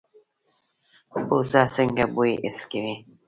پوزه څنګه بوی حس کوي؟